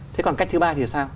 thế còn cách thứ ba thì sao